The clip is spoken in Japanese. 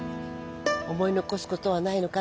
「思い残すことはないのか」